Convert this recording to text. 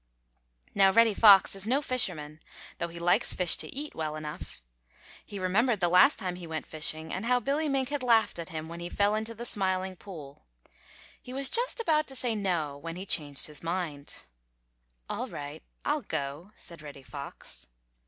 ] Now Reddy Fox is no fisherman, though he likes fish to eat well enough. He remembered the last time he went fishing and how Billy Mink had laughed at him when he fell into the Smiling Pool. He was just about to say "no" when he changed his mind. "All right, I'll go," said Reddy Fox.